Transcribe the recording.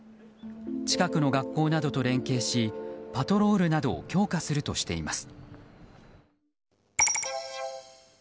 近くの学校などと連携しパトロールなどを強化するとしています。